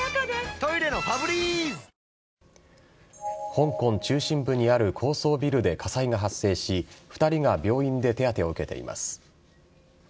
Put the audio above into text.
香港中心部にある高層ビルで火災が発生し２人が病院で手当てを受けています。